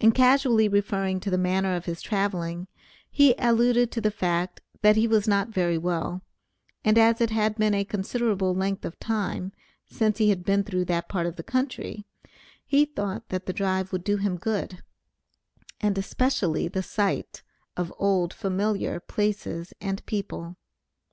In casually referring to the manner of his traveling, he alluded to the fact, that he was not very well, and as it had been a considerable length of time since he had been through that part of the country, he thought that the drive would do him good, and especially the sight of old familiar places and people.